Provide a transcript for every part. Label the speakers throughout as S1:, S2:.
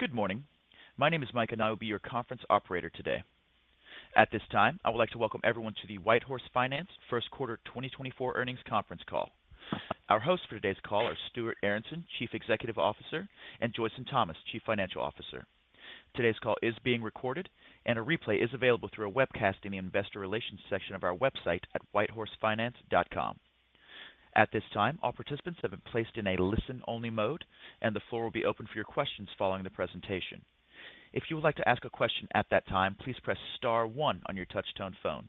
S1: Good morning. My name is Mike, and I will be your conference operator today. At this time, I would like to welcome everyone to the WhiteHorse Finance first quarter 2024 earnings conference call. Our hosts for today's call are Stuart Aronson, Chief Executive Officer, and Joyson Thomas, Chief Financial Officer. Today's call is being recorded, and a replay is available through a webcast in the Investor Relations section of our website at whitehorsefinance.com. At this time, all participants have been placed in a listen-only mode, and the floor will be open for your questions following the presentation. If you would like to ask a question at that time, please press star 1 on your touch-tone phone.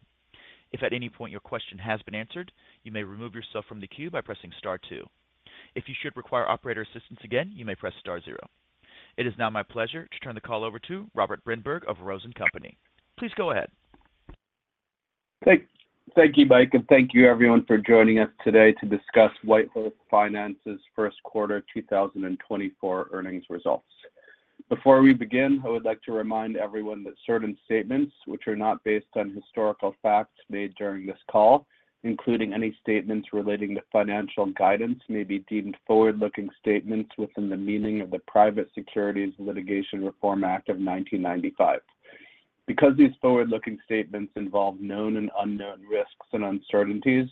S1: If at any point your question has been answered, you may remove yourself from the queue by pressing star 2. If you should require operator assistance again, you may press star 0. It is now my pleasure to turn the call over to Robert Brinberg of Rose & Company. Please go ahead.
S2: Thank you, Mike, and thank you, everyone, for joining us today to discuss WhiteHorse Finance's first quarter 2024 earnings results. Before we begin, I would like to remind everyone that certain statements which are not based on historical facts made during this call, including any statements relating to financial guidance, may be deemed forward-looking statements within the meaning of the Private Securities Litigation Reform Act of 1995. Because these forward-looking statements involve known and unknown risks and uncertainties,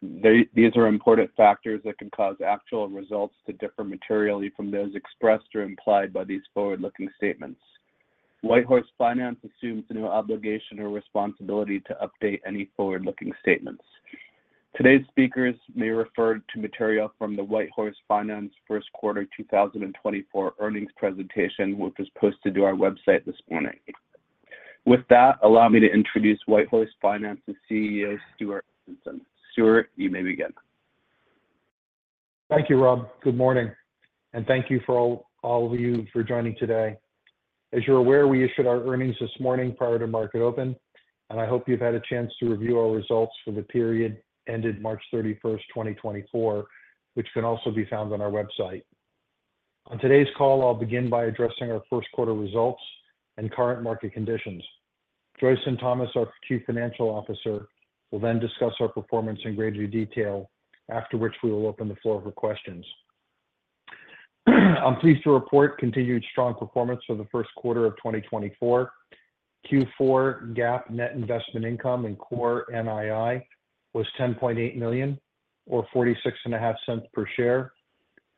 S2: these are important factors that can cause actual results to differ materially from those expressed or implied by these forward-looking statements. WhiteHorse Finance assumes no obligation or responsibility to update any forward-looking statements. Today's speakers may refer to material from the WhiteHorse Finance first quarter 2024 earnings presentation, which was posted to our website this morning. With that, allow me to introduce WhiteHorse Finance's CEO, Stuart Aronson. Stuart, you may begin.
S3: Thank you, Rob. Good morning. Thank you for all of you for joining today. As you're aware, we issued our earnings this morning prior to market open, and I hope you've had a chance to review our results for the period ended March 31st, 2024, which can also be found on our website. On today's call, I'll begin by addressing our first quarter results and current market conditions. Joyson Thomas, our Chief Financial Officer, will then discuss our performance in greater detail, after which we will open the floor for questions. I'm pleased to report continued strong performance for the first quarter of 2024. Q4 GAAP net investment income and core NII was $10.8 million or $0.465 per share,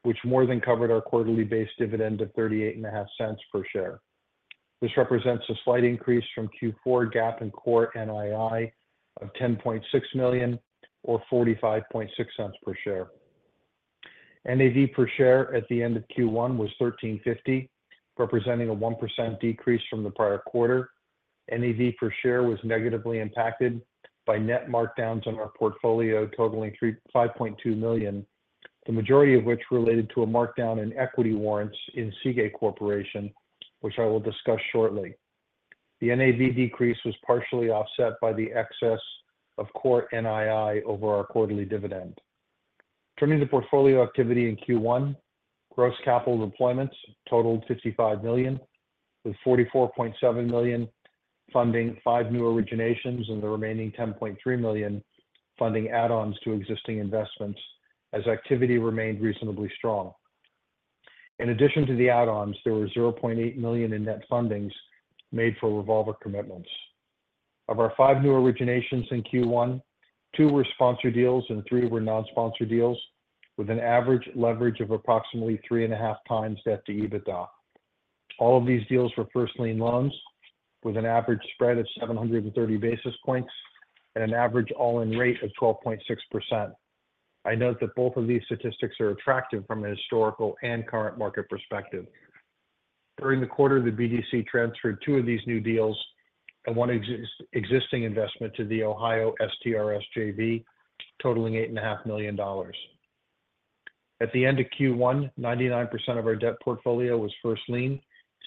S3: which more than covered our quarterly-based dividend of $0.385 per share. This represents a slight increase from Q4 GAAP and core NII of $10.6 million or $0.456 per share. NAV per share at the end of Q1 was $13.50, representing a 1% decrease from the prior quarter. NAV per share was negatively impacted by net markdowns on our portfolio totaling $5.2 million, the majority of which related to a markdown in equity warrants in Seagate Corporation, which I will discuss shortly. The NAV decrease was partially offset by the excess of core NII over our quarterly dividend. Turning to portfolio activity in Q1, gross capital deployments totaled $55 million, with $44.7 million funding five new originations and the remaining $10.3 million funding add-ons to existing investments, as activity remained reasonably strong. In addition to the add-ons, there were $0.8 million in net fundings made for revolver commitments. Of our 5 new originations in Q1, 2 were sponsored deals and 3 were non-sponsored deals, with an average leverage of approximately 3.5x debt to EBITDA. All of these deals were first-lien loans, with an average spread of 730 basis points and an average all-in rate of 12.6%. I note that both of these statistics are attractive from a historical and current market perspective. During the quarter, the BDC transferred 2 of these new deals and 1 existing investment to the Ohio STRS JV, totaling $8.5 million. At the end of Q1, 99% of our debt portfolio was first-lien,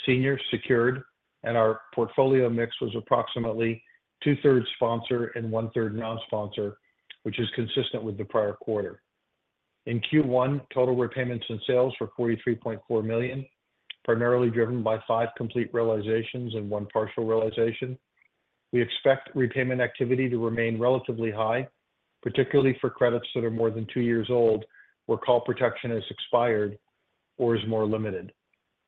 S3: senior, secured, and our portfolio mix was approximately two-thirds sponsor and one-third non-sponsor, which is consistent with the prior quarter. In Q1, total repayments and sales were $43.4 million, primarily driven by 5 complete realizations and 1 partial realization. We expect repayment activity to remain relatively high, particularly for credits that are more than two years old where call protection has expired or is more limited.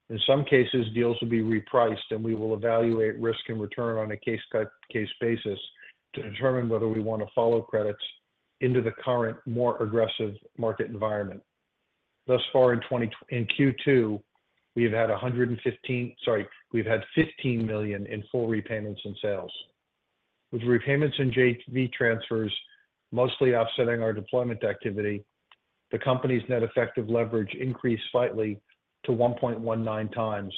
S3: In some cases, deals will be repriced, and we will evaluate risk and return on a case-by-case basis to determine whether we want to follow credits into the current, more aggressive market environment. Thus far, in Q2, we've had $15 million in full repayments and sales. With repayments and JV transfers mostly offsetting our deployment activity, the company's net effective leverage increased slightly to 1.19 times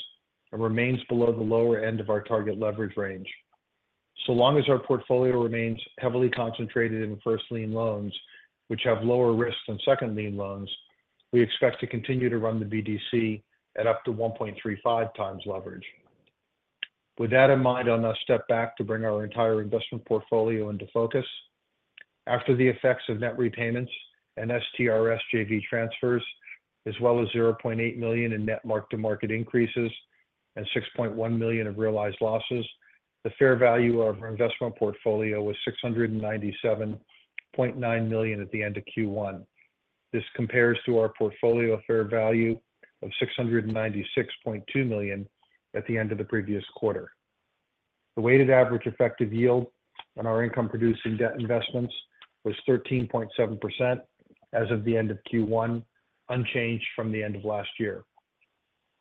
S3: and remains below the lower end of our target leverage range. So long as our portfolio remains heavily concentrated in first-lien loans, which have lower risk than second-lien loans, we expect to continue to run the BDC at up to 1.35 times leverage. With that in mind, I'll now step back to bring our entire investment portfolio into focus. After the effects of net repayments and STRS JV transfers, as well as $0.8 million in net mark-to-market increases and $6.1 million of realized losses, the fair value of our investment portfolio was $697.9 million at the end of Q1. This compares to our portfolio fair value of $696.2 million at the end of the previous quarter. The weighted average effective yield on our income-producing debt investments was 13.7% as of the end of Q1, unchanged from the end of last year.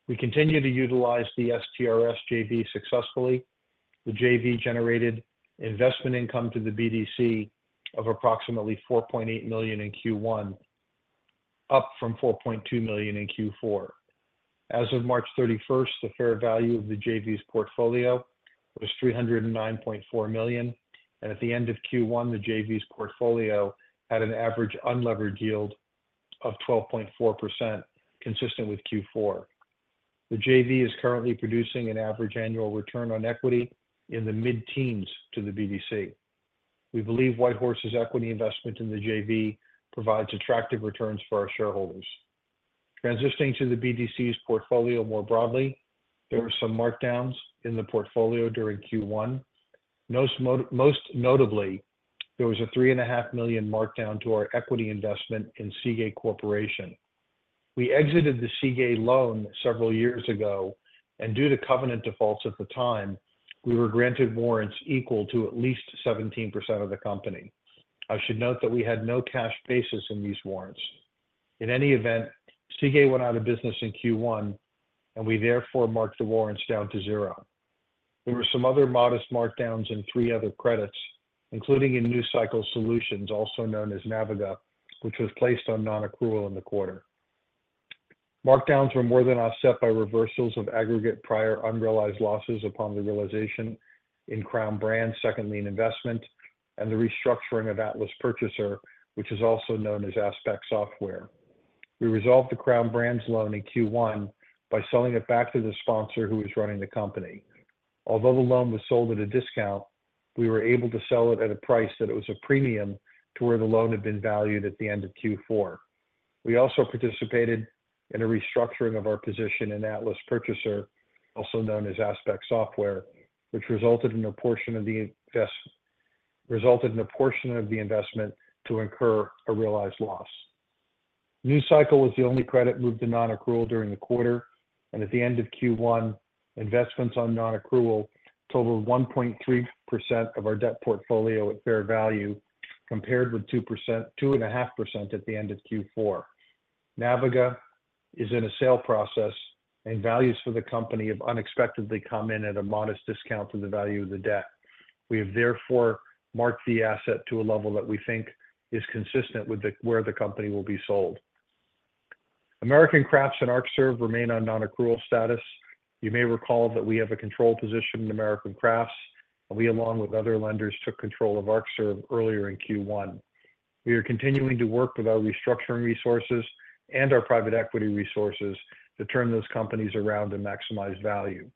S3: We continue to utilize the STRS JV successfully. The JV generated investment income to the BDC of approximately $4.8 million in Q1, up from $4.2 million in Q4. As of March 31st, the fair value of the JV's portfolio was $309.4 million, and at the end of Q1, the JV's portfolio had an average unleveraged yield of 12.4%, consistent with Q4. The JV is currently producing an average annual return on equity in the mid-teens to the BDC. We believe WhiteHorse's equity investment in the JV provides attractive returns for our shareholders. Transitioning to the BDC's portfolio more broadly, there were some markdowns in the portfolio during Q1. Most notably, there was a $3.5 million markdown to our equity investment in Sigue Corporation. We exited the Sigue loan several years ago, and due to covenant defaults at the time, we were granted warrants equal to at least 17% of the company. I should note that we had no cash basis in these warrants. In any event, Sigue went out of business in Q1, and we therefore marked the warrants down to zero. There were some other modest markdowns in three other credits, including in New Cycle Solutions, also known as Naviga, which was placed on non-accrual in the quarter. Markdowns were more than offset by reversals of aggregate prior unrealized losses upon the realization in Crown Brands' second-lien investment and the restructuring of Atlas Purchaser, which is also known as Aspect Software. We resolved the Crown Brands' loan in Q1 by selling it back to the sponsor who was running the company. Although the loan was sold at a discount, we were able to sell it at a price that was a premium to where the loan had been valued at the end of Q4. We also participated in a restructuring of our position in Atlas Purchaser, also known as Aspect Software, which resulted in a portion of the investment to incur a realized loss. New Cycle was the only credit moved to non-accrual during the quarter, and at the end of Q1, investments on non-accrual totaled 1.3% of our debt portfolio at fair value, compared with 2.5% at the end of Q4. Naviga is in a sale process, and values for the company have unexpectedly come in at a modest discount to the value of the debt. We have therefore marked the asset to a level that we think is consistent with where the company will be sold. American Crafts and Arcserve remain on non-accrual status. You may recall that we have a control position in American Crafts, and we, along with other lenders, took control of Arcserve earlier in Q1. We are continuing to work with our restructuring resources and our private equity resources to turn those companies around and maximize value.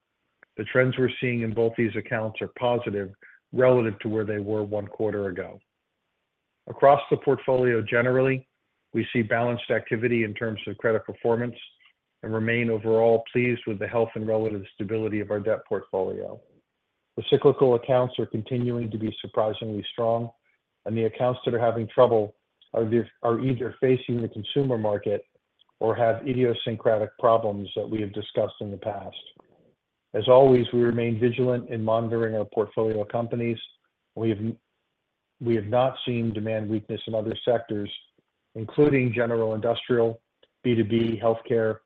S3: The trends we're seeing in both these accounts are positive relative to where they were one quarter ago. Across the portfolio generally, we see balanced activity in terms of credit performance and remain overall pleased with the health and relative stability of our debt portfolio. The cyclical accounts are continuing to be surprisingly strong, and the accounts that are having trouble are either facing the consumer market or have idiosyncratic problems that we have discussed in the past. As always, we remain vigilant in monitoring our portfolio companies. We have not seen demand weakness in other sectors, including general industrial, B2B, healthcare,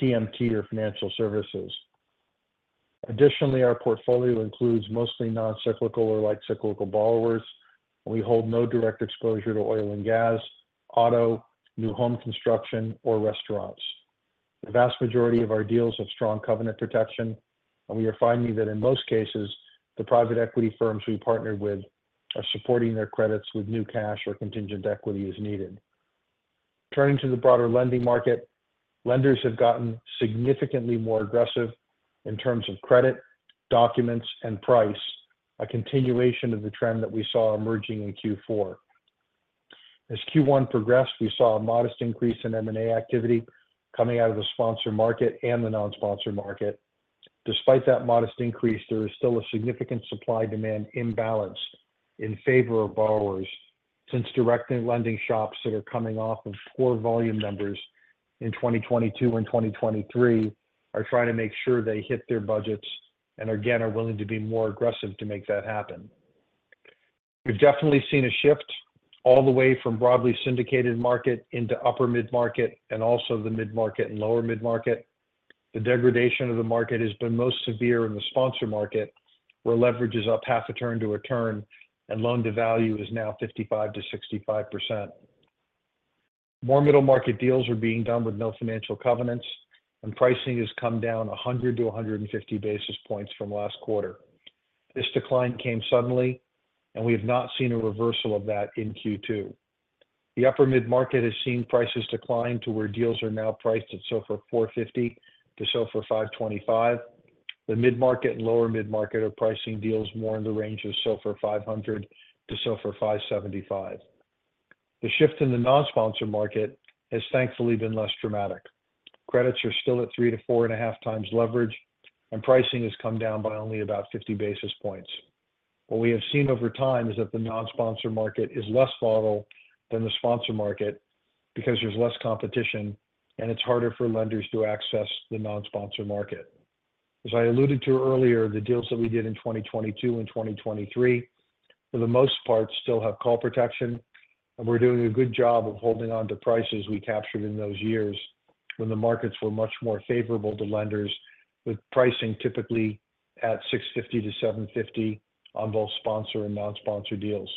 S3: TMT, or financial services. Additionally, our portfolio includes mostly non-cyclical or light-cyclical borrowers, and we hold no direct exposure to oil and gas, auto, new home construction, or restaurants. The vast majority of our deals have strong covenant protection, and we are finding that in most cases, the private equity firms we partner with are supporting their credits with new cash or contingent equity as needed. Turning to the broader lending market, lenders have gotten significantly more aggressive in terms of credit, documents, and price, a continuation of the trend that we saw emerging in Q4. As Q1 progressed, we saw a modest increase in M&A activity coming out of the sponsor market and the non-sponsor market. Despite that modest increase, there is still a significant supply-demand imbalance in favor of borrowers since direct lending shops that are coming off of poor volume numbers in 2022 and 2023 are trying to make sure they hit their budgets and, again, are willing to be more aggressive to make that happen. We've definitely seen a shift all the way from broadly syndicated market into upper mid-market and also the mid-market and lower mid-market. The degradation of the market has been most severe in the sponsor market, where leverage is up half a turn to a turn, and loan-to-value is now 55% to 65%. More middle-market deals are being done with no financial covenants, and pricing has come down 100-150 basis points from last quarter. This decline came suddenly, and we have not seen a reversal of that in Q2. The upper mid-market has seen prices decline to where deals are now priced at SOFR 450 to SOFR 525. The mid-market and lower mid-market are pricing deals more in the range of SOFR 500 to SOFR 575. The shift in the non-sponsor market has thankfully been less dramatic. Credits are still at 3 to 4.5 times leverage, and pricing has come down by only about 50 basis points. What we have seen over time is that the non-sponsor market is less volatile than the sponsor market because there's less competition, and it's harder for lenders to access the non-sponsor market. As I alluded to earlier, the deals that we did in 2022 and 2023, for the most part, still have call protection, and we're doing a good job of holding on to prices we captured in those years when the markets were much more favorable to lenders, with pricing typically at 650-750 on both sponsor and non-sponsor deals.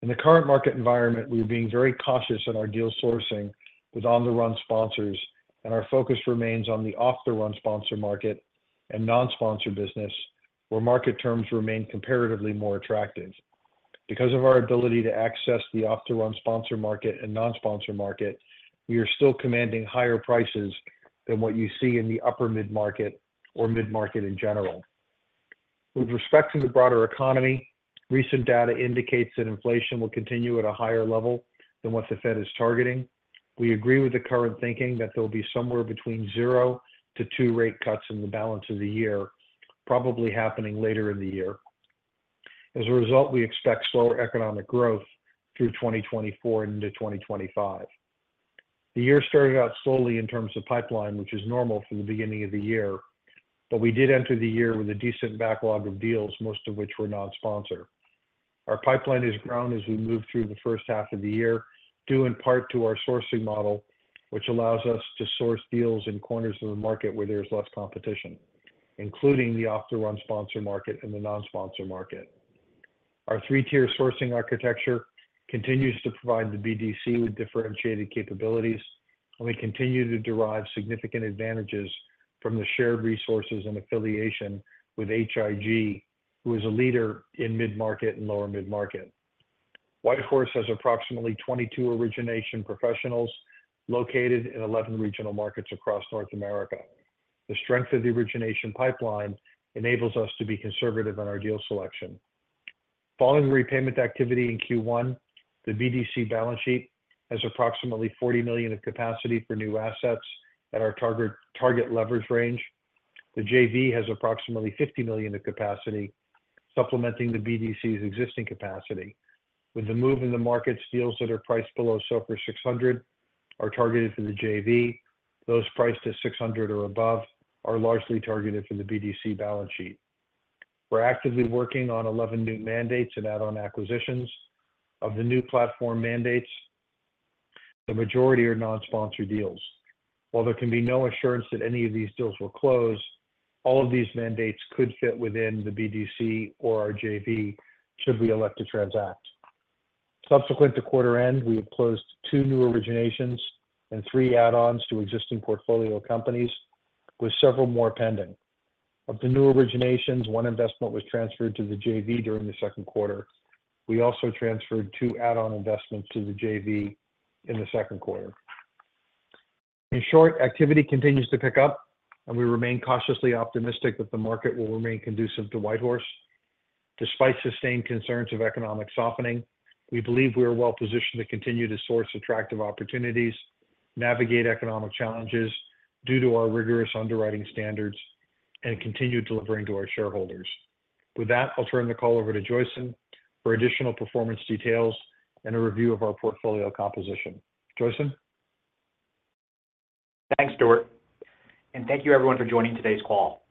S3: In the current market environment, we are being very cautious in our deal sourcing with on-the-run sponsors, and our focus remains on the off-the-run sponsor market and non-sponsor business, where market terms remain comparatively more attractive. Because of our ability to access the off-the-run sponsor market and non-sponsor market, we are still commanding higher prices than what you see in the upper mid-market or mid-market in general. With respect to the broader economy, recent data indicates that inflation will continue at a higher level than what the Fed is targeting. We agree with the current thinking that there'll be somewhere between 0-2 rate cuts in the balance of the year, probably happening later in the year. As a result, we expect slower economic growth through 2024 and into 2025. The year started out slowly in terms of pipeline, which is normal for the beginning of the year, but we did enter the year with a decent backlog of deals, most of which were non-sponsor. Our pipeline has grown as we move through the first half of the year, due in part to our sourcing model, which allows us to source deals in corners of the market where there's less competition, including the off-the-run sponsor market and the non-sponsor market. Our three-tier sourcing architecture continues to provide the BDC with differentiated capabilities, and we continue to derive significant advantages from the shared resources and affiliation with HIG, who is a leader in mid-market and lower mid-market. WhiteHorse has approximately 22 origination professionals located in 11 regional markets across North America. The strength of the origination pipeline enables us to be conservative in our deal selection. Following repayment activity in Q1, the BDC balance sheet has approximately $40 million of capacity for new assets at our target leverage range. The JV has approximately $50 million of capacity, supplementing the BDC's existing capacity. With the move in the markets, deals that are priced below SOFR 600 are targeted for the JV. Those priced at 600 or above are largely targeted for the BDC balance sheet. We're actively working on 11 new mandates and add-on acquisitions. Of the new platform mandates, the majority are non-sponsor deals. While there can be no assurance that any of these deals will close, all of these mandates could fit within the BDC or our JV should we elect to transact. Subsequent to quarter end, we have closed 2 new originations and 3 add-ons to existing portfolio companies, with several more pending. Of the new originations, 1 investment was transferred to the JV during the second quarter. We also transferred 2 add-on investments to the JV in the second quarter. In short, activity continues to pick up, and we remain cautiously optimistic that the market will remain conducive to WhiteHorse. Despite sustained concerns of economic softening, we believe we are well positioned to continue to source attractive opportunities, navigate economic challenges due to our rigorous underwriting standards, and continue delivering to our shareholders. With that, I'll turn the call over to Joyson for additional performance details and a review of our portfolio composition. Joyson?
S4: Thanks, Stuart. Thank you, everyone, for joining today's call.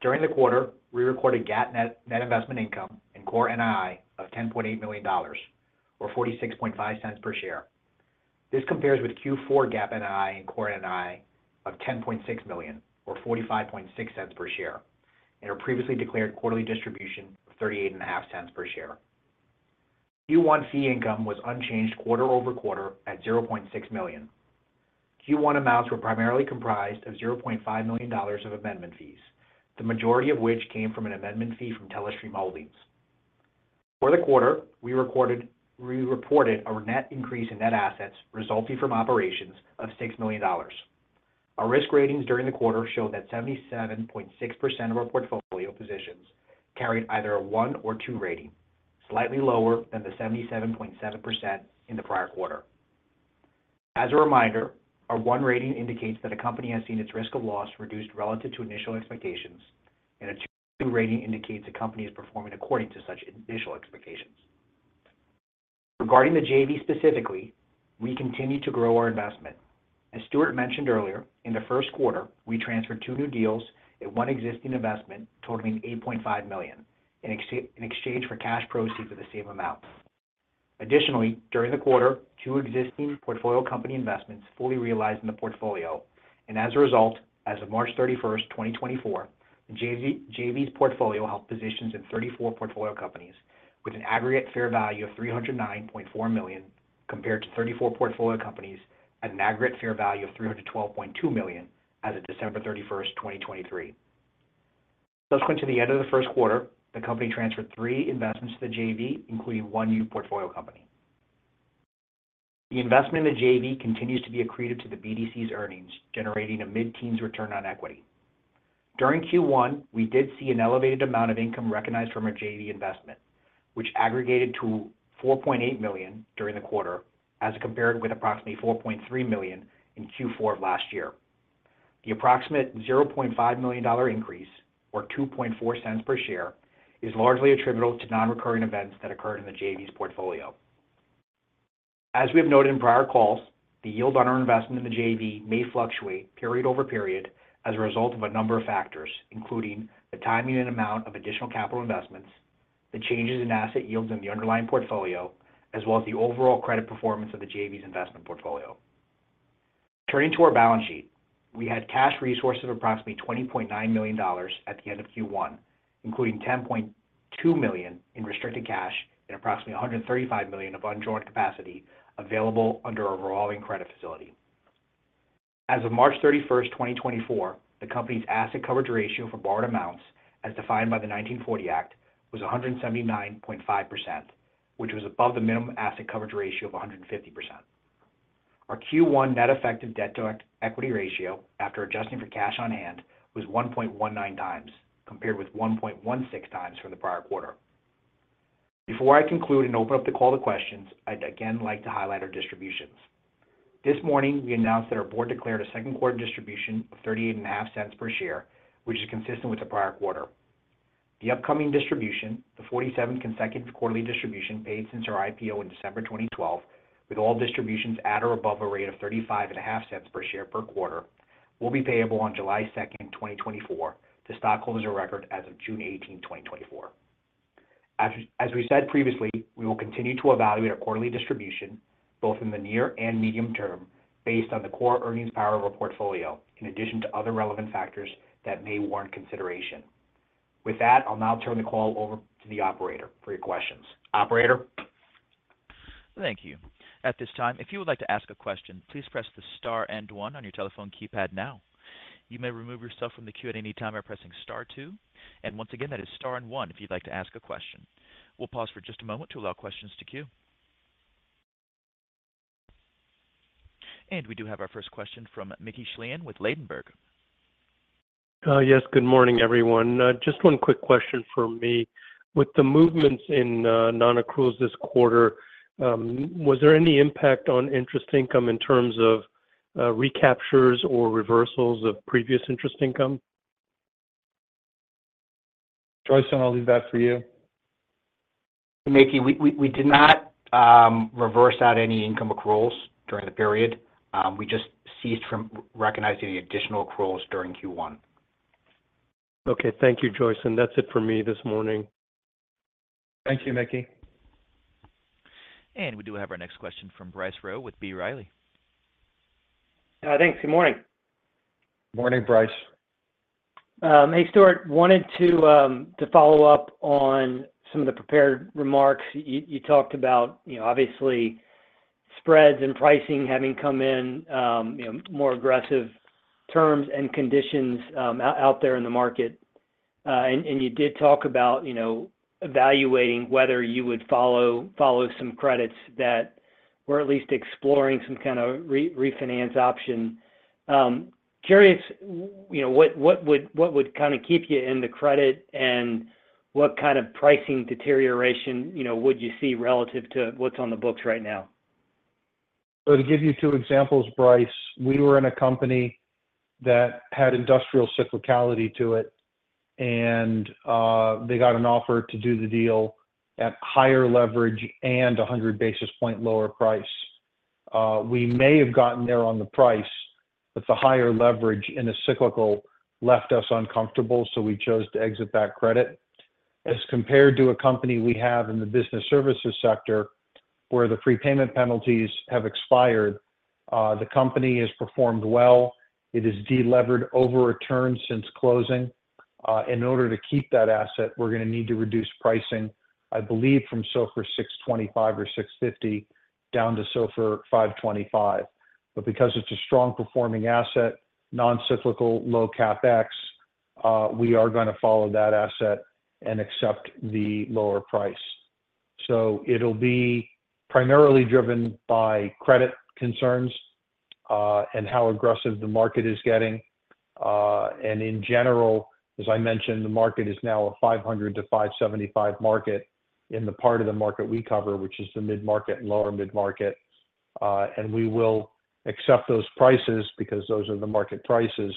S4: During the quarter, we recorded GAAP net investment income in core NII of $10.8 million or $0.465 per share. This compares with Q4 GAAP NII in core NII of $10.6 million or $0.456 per share, and our previously declared quarterly distribution of $0.385 per share. Q1 fee income was unchanged quarter-over-quarter at $0.6 million. Q1 amounts were primarily comprised of $0.5 million of amendment fees, the majority of which came from an amendment fee from Telestream Holdings. For the quarter, we reported a net increase in net assets resulting from operations of $6 million. Our risk ratings during the quarter showed that 77.6% of our portfolio positions carried either a 1 or 2 rating, slightly lower than the 77.7% in the prior quarter. As a reminder, a one rating indicates that a company has seen its risk of loss reduced relative to initial expectations, and a two rating indicates a company is performing according to such initial expectations. Regarding the JV specifically, we continue to grow our investment. As Stuart mentioned earlier, in the first quarter, we transferred two new deals at one existing investment totaling $8.5 million in exchange for cash proceeds of the same amount. Additionally, during the quarter, two existing portfolio company investments fully realized in the portfolio, and as a result, as of March 31st, 2024, the JV's portfolio held positions in 34 portfolio companies with an aggregate fair value of $309.4 million compared to 34 portfolio companies at an aggregate fair value of $312.2 million as of December 31st, 2023. Subsequent to the end of the first quarter, the company transferred three investments to the JV, including one new portfolio company. The investment in the JV continues to be accretive to the BDC's earnings, generating a mid-teens return on equity. During Q1, we did see an elevated amount of income recognized from our JV investment, which aggregated to $4.8 million during the quarter as compared with approximately $4.3 million in Q4 of last year. The approximate $0.5 million increase, or $0.024 per share, is largely attributable to non-recurring events that occurred in the JV's portfolio. As we have noted in prior calls, the yield on our investment in the JV may fluctuate period-over-period as a result of a number of factors, including the timing and amount of additional capital investments, the changes in asset yields in the underlying portfolio, as well as the overall credit performance of the JV's investment portfolio. Turning to our balance sheet, we had cash resources of approximately $20.9 million at the end of Q1, including $10.2 million in restricted cash and approximately $135 million of undrawn capacity available under our revolving credit facility. As of March 31st, 2024, the company's asset coverage ratio for borrowed amounts, as defined by the 1940 Act, was 179.5%, which was above the minimum asset coverage ratio of 150%. Our Q1 net effective debt-to-equity ratio, after adjusting for cash on hand, was 1.19 times compared with 1.16 times from the prior quarter. Before I conclude and open up the call to questions, I'd again like to highlight our distributions. This morning, we announced that our board declared a second quarter distribution of $0.385 per share, which is consistent with the prior quarter. The upcoming distribution, the 47th consecutive quarterly distribution paid since our IPO in December 2012, with all distributions at or above a rate of $0.355 per share per quarter, will be payable on July 2nd, 2024, to stockholders of record as of June 18th, 2024. As we said previously, we will continue to evaluate our quarterly distribution both in the near and medium term based on the core earnings power of our portfolio, in addition to other relevant factors that may warrant consideration. With that, I'll now turn the call over to the operator for your questions. Operator?
S1: Thank you. At this time, if you would like to ask a question, please press the star and one on your telephone keypad now. You may remove yourself from the queue at any time by pressing star two. And once again, that is star and one if you'd like to ask a question. We'll pause for just a moment to allow questions to queue. We do have our first question from Mickey Schleien with Ladenburg Thalmann.
S5: Yes. Good morning, everyone. Just one quick question for me. With the movements in non-accruals this quarter, was there any impact on interest income in terms of recaptures or reversals of previous interest income?
S3: Joyson, I'll leave that for you.
S4: Mickey, we did not reverse out any income accruals during the period. We just ceased from recognizing any additional accruals during Q1.
S5: Okay. Thank you, Joyson. That's it for me this morning.
S2: Thank you, Mickey.
S1: We do have our next question from Bryce Rowe with B. Riley.
S6: Thanks. Good morning.
S3: Morning, Bryce.
S6: Hey, Stuart. Wanted to follow up on some of the prepared remarks. You talked about, obviously, spreads and pricing having come in, more aggressive terms and conditions out there in the market. You did talk about evaluating whether you would follow some credits that were at least exploring some kind of refinance option. Curious, what would kind of keep you in the credit, and what kind of pricing deterioration would you see relative to what's on the books right now?
S3: So to give you two examples, Bryce, we were in a company that had industrial cyclicality to it, and they got an offer to do the deal at higher leverage and 100 basis point lower price. We may have gotten there on the price, but the higher leverage in a cyclical left us uncomfortable, so we chose to exit that credit. As compared to a company we have in the business services sector where the prepayment penalties have expired, the company has performed well. It has delevered over return since closing. In order to keep that asset, we're going to need to reduce pricing, I believe, from so far 625 or 650 down to so far 525. But because it's a strong performing asset, non-cyclical, low CapEx, we are going to follow that asset and accept the lower price. It'll be primarily driven by credit concerns and how aggressive the market is getting. In general, as I mentioned, the market is now a 500-575 market in the part of the market we cover, which is the mid-market and lower mid-market. We will accept those prices because those are the market prices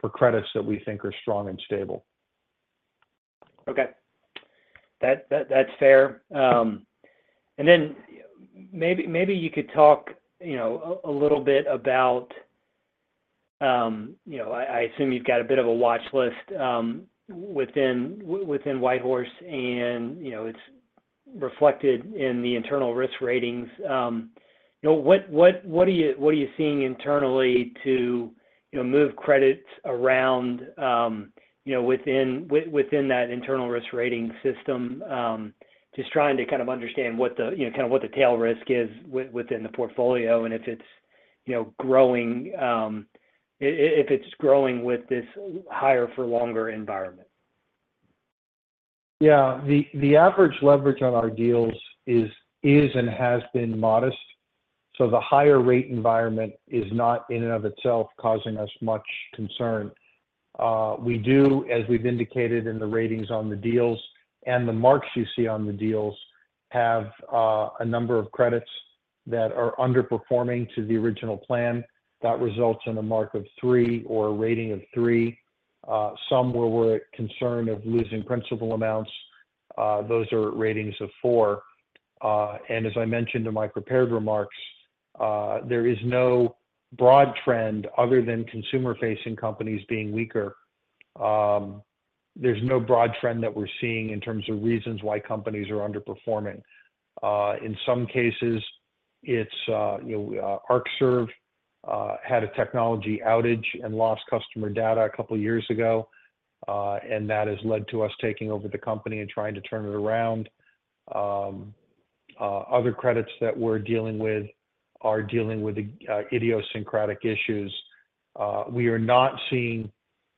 S3: for credits that we think are strong and stable.
S6: Okay. That's fair. And then maybe you could talk a little bit about I assume you've got a bit of a watchlist within WhiteHorse, and it's reflected in the internal risk ratings. What are you seeing internally to move credits around within that internal risk rating system, just trying to kind of understand kind of what the tail risk is within the portfolio and if it's growing with this higher-for-longer environment?
S3: Yeah. The average leverage on our deals is and has been modest. So the higher rate environment is not in and of itself causing us much concern. We do, as we've indicated in the ratings on the deals and the marks you see on the deals, have a number of credits that are underperforming to the original plan. That results in a mark of 3 or a rating of 3. Some, where we're at concern of losing principal amounts, those are ratings of 4. And as I mentioned in my prepared remarks, there is no broad trend other than consumer-facing companies being weaker. There's no broad trend that we're seeing in terms of reasons why companies are underperforming. In some cases, Arcserve had a technology outage and lost customer data a couple of years ago, and that has led to us taking over the company and trying to turn it around. Other credits that we're dealing with are dealing with idiosyncratic issues. We are not seeing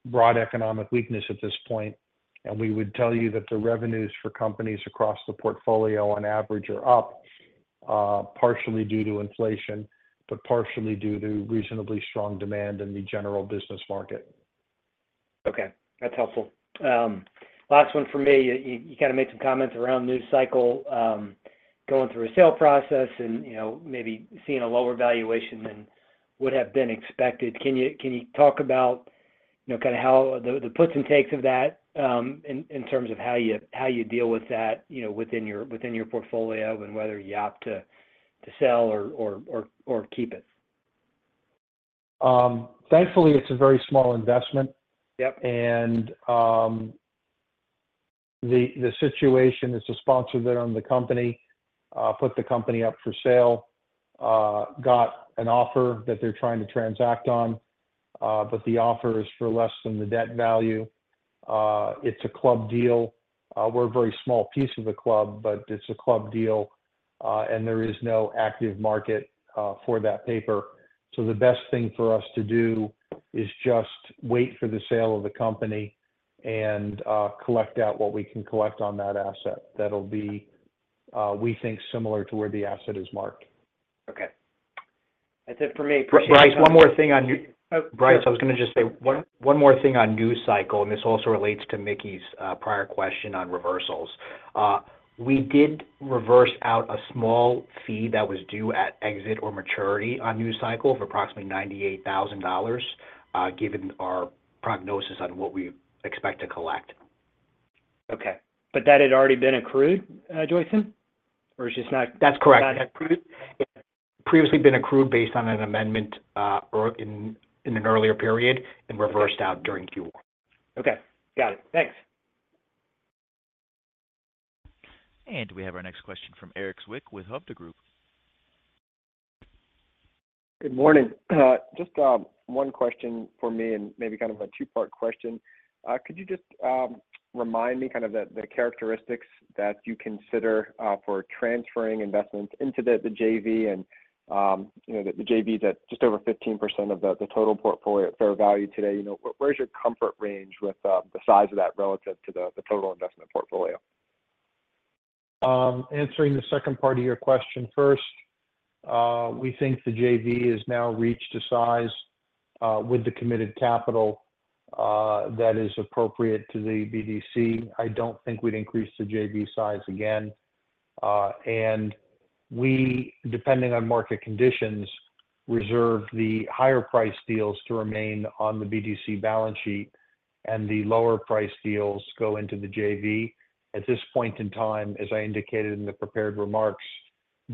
S3: broad economic weakness at this point. We would tell you that the revenues for companies across the portfolio, on average, are up partially due to inflation but partially due to reasonably strong demand in the general business market.
S6: Okay. That's helpful. Last one for me. You kind of made some comments around New Cycle, going through a sale process, and maybe seeing a lower valuation than would have been expected. Can you talk about kind of the puts and takes of that in terms of how you deal with that within your portfolio and whether you opt to sell or keep it?
S3: Thankfully, it's a very small investment. The situation is the sponsor that owned the company put the company up for sale, got an offer that they're trying to transact on, but the offer is for less than the debt value. It's a club deal. We're a very small piece of the club, but it's a club deal, and there is no active market for that paper. So the best thing for us to do is just wait for the sale of the company and collect out what we can collect on that asset. That'll be, we think, similar to where the asset is marked.
S6: Okay. That's it for me. Appreciate your time.
S4: Bryce, one more thing on Bryce, I was going to just say one more thing on New Cycle, and this also relates to Mickey's prior question on reversals. We did reverse out a small fee that was due at exit or maturity on New Cycle for approximately $98,000 given our prognosis on what we expect to collect.
S6: Okay. But that had already been accrued, Joyson, or it's just not accrued?
S4: That's correct. It had previously been accrued based on an amendment in an earlier period and reversed out during Q1.
S6: Okay. Got it. Thanks.
S1: And we have our next question from Erik Zwick with Hovde Group.
S7: Good morning. Just one question for me and maybe kind of a two-part question. Could you just remind me kind of the characteristics that you consider for transferring investments into the JV and the JV is at just over 15% of the total fair value today. Where's your comfort range with the size of that relative to the total investment portfolio?
S3: Answering the second part of your question first, we think the JV has now reached a size with the committed capital that is appropriate to the BDC. I don't think we'd increase the JV size again. We, depending on market conditions, reserve the higher-priced deals to remain on the BDC balance sheet, and the lower-priced deals go into the JV. At this point in time, as I indicated in the prepared remarks,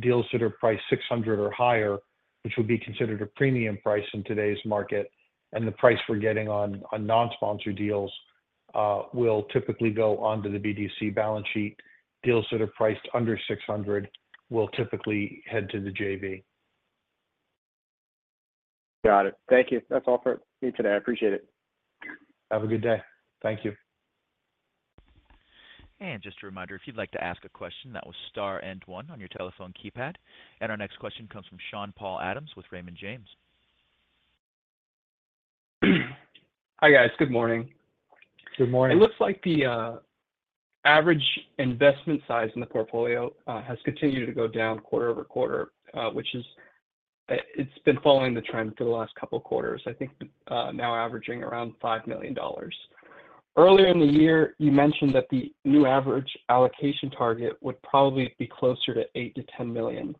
S3: deals that are priced 600 or higher, which would be considered a premium price in today's market, and the price we're getting on non-sponsored deals will typically go onto the BDC balance sheet. Deals that are priced under 600 will typically head to the JV.
S7: Got it. Thank you. That's all for me today. I appreciate it.
S3: Have a good day. Thank you.
S1: Just a reminder, if you'd like to ask a question, that was star and one on your telephone keypad. Our next question comes from Sean-Paul Adams with Raymond James.
S8: Hi, guys. Good morning.
S3: Good morning.
S8: It looks like the average investment size in the portfolio has continued to go down quarter-over-quarter, which is it's been following the trend for the last couple of quarters, I think now averaging around $5 million. Earlier in the year, you mentioned that the new average allocation target would probably be closer to $8 million to $10 million.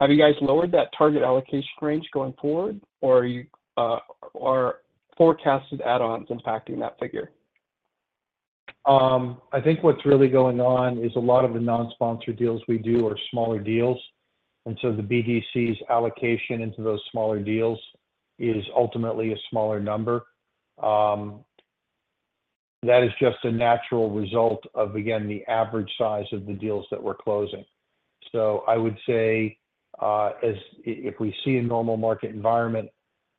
S8: Have you guys lowered that target allocation range going forward, or are forecasted add-ons impacting that figure?
S3: I think what's really going on is a lot of the non-sponsored deals we do are smaller deals, and so the BDC's allocation into those smaller deals is ultimately a smaller number. That is just a natural result of, again, the average size of the deals that we're closing. So I would say if we see a normal market environment,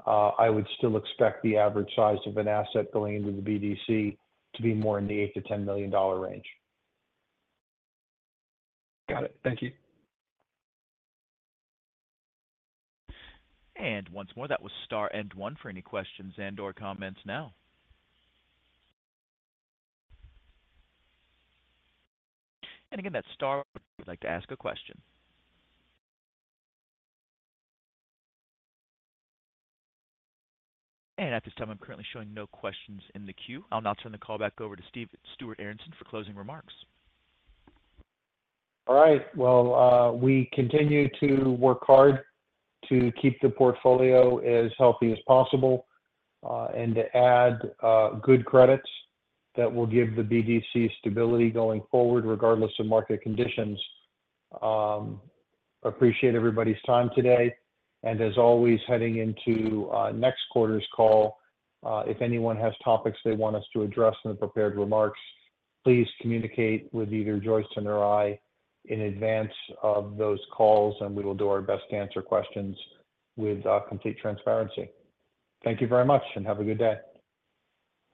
S3: I would still expect the average size of an asset going into the BDC to be more in the $8 million to $10 million range.
S8: Got it. Thank you.
S1: And once more, that was star and one for any questions and/or comments now. And again, that's star. We'd like to ask a question. And at this time, I'm currently showing no questions in the queue. I'll now turn the call back over to Stuart Aronson for closing remarks.
S3: All right. Well, we continue to work hard to keep the portfolio as healthy as possible and to add good credits that will give the BDC stability going forward regardless of market conditions. I Appreciate everybody's time today. As always, heading into next quarter's call, if anyone has topics they want us to address in the prepared remarks, please communicate with either Joyson or I in advance of those calls, and we will do our best to answer questions with complete transparency. Thank you very much, and have a good day.